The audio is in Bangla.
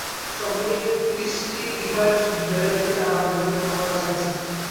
সব মিলিয়ে ত্রিশটি ডিফারেন্ট ভেরাইটির চারা আমার কাছে আছে।